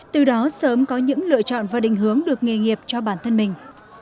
từ đó sớm có những lựa chọn và định hướng được nghề nghiệp cho bản thân mình